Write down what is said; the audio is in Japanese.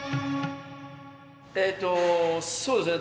えとそうですね。